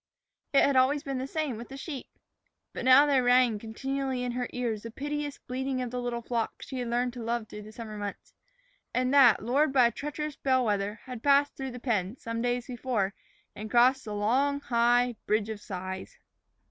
It had always been the same with the sheep. But now there rang continually in her ears the piteous bleating of the little flock she had learned to love through the summer months, and that, lured by a treacherous bell wether, had passed through the pen, some days before, and crossed the long, high Bridge of Sighs.